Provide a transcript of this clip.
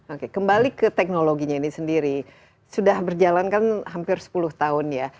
oke kembali ke teknologinya ini sendiri sudah berjalan kan hampir sepuluh tahun ya